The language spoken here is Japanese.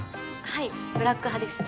はいブラック派です。